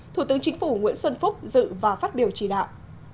thủ tướng chính phủ nguyễn xuân phúc dự và phát biểu chỉ đạo